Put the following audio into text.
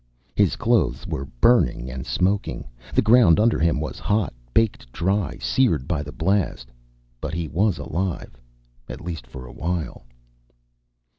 His clothes were burning and smoking. The ground under him was hot, baked dry, seared by the blast. But he was alive. At least, for awhile.